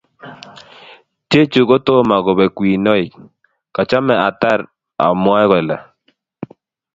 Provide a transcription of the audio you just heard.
chechu kotomo kobek winoik, kachame atar amwae kole